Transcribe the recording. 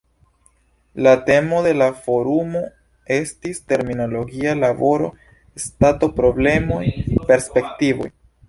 La temo de la forumo estis "Terminologia laboro: Stato, problemoj, perspektivoj".